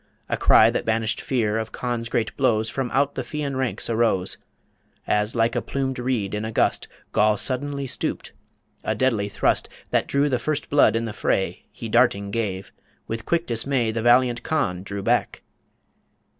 A cry That banished fear of Conn's great blows From out the Fian ranks arose, As, like a plumed reed in a gust, Goll suddenly stooped a deadly thrust That drew the first blood in the fray He darting gave ... With quick dismay The valiant Conn drew back